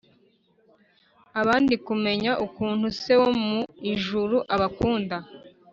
abandi kumenya ukuntu Se wo mu ijuru abakunda